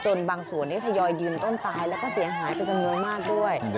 จนบางส่วนนี้จะยอยยืนต้นตายแล้วก็เสียหายไปจนเมืองมากด้วย